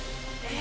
え